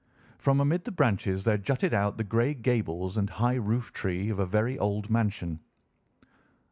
From amid the branches there jutted out the grey gables and high roof tree of a very old mansion.